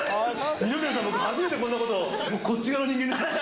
二宮さん、僕初めて、こんなこと、こっち側の人間でした。